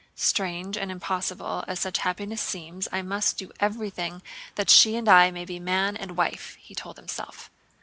"Strange and impossible as such happiness seems, I must do everything that she and I may be man and wife," he told himself.